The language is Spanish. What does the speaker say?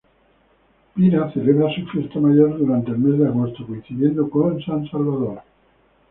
Pira celebra su fiesta mayor durante el mes de agosto, coincidiendo con San Salvador.